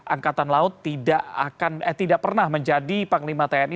angkatan laut tidak akan eh tidak pernah menjadi panglima tni